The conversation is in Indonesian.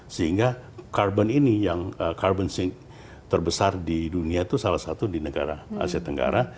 sehingga carbon ini yang carbon sing terbesar di dunia itu salah satu di negara asia tenggara